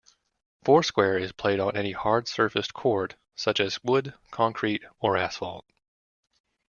Four square is played on any hard-surfaced court, such as wood, concrete or asphalt.